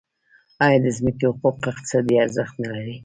آیا د ځمکې حقوق اقتصادي ارزښت نلري؟